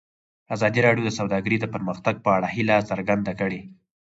ازادي راډیو د سوداګري د پرمختګ په اړه هیله څرګنده کړې.